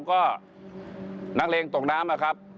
ก็นักเลงตกน้ำนะครับ